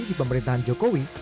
di pemerintahan jokowi